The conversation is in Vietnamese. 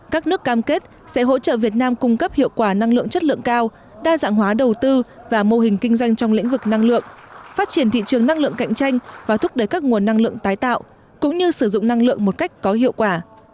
các nước cam kết sẽ hỗ trợ việt nam cung cấp hiệu quả năng lượng chất lượng cao đa dạng hóa đầu tư và mô hình kinh doanh trong lĩnh vực năng lượng phát triển thị trường năng lượng cạnh tranh và thúc đẩy các nguồn năng lượng tái tạo cũng như sử dụng năng lượng một cách có hiệu quả